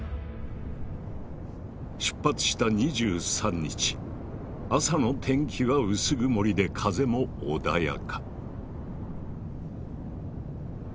出発した２３日朝の天気は薄曇りで風も穏やか。